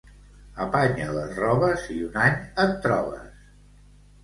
Apanya les robes i un any et trobes.